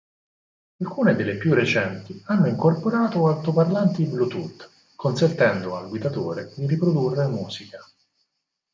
Alcune delle più recenti hanno incorporato altoparlanti Bluetooth, consentendo al guidatore di riprodurre musica.